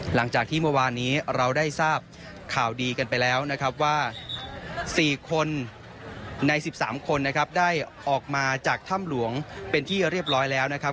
หลังจากที่เมื่อวานนี้เราได้ทราบข่าวดีกันไปแล้วนะครับว่า๔คนใน๑๓คนนะครับได้ออกมาจากถ้ำหลวงเป็นที่เรียบร้อยแล้วนะครับ